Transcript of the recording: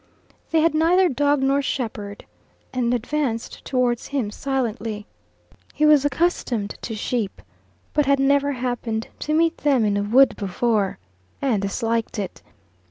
They had neither dog nor shepherd, and advanced towards him silently. He was accustomed to sheep, but had never happened to meet them in a wood before, and disliked it.